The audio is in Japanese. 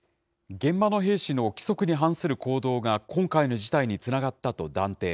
現場の兵士の規則に反する行動が今回の事態につながったと断定。